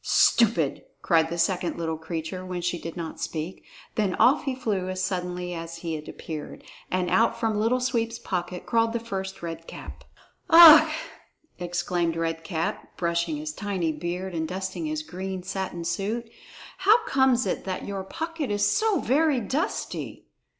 "Stupid!" cried the second little creature, when she did not speak. Then off he flew as suddenly as he had appeared, and out from Little Sweep's pocket crawled the first Red Cap. "Ugh!" exclaimed Red Cap, brushing his tiny beard and dusting his green satin suit. "How comes it that your pocket is so very dusty?"